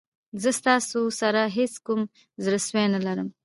زه ستاسو سره هېڅ کوم زړه سوی نه لرم.